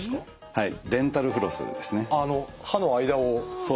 はい。